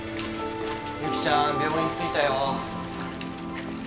ゆきちゃん病院着いたよ。